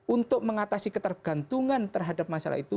untuk mengatasi ketergantungan terhadap masalah itu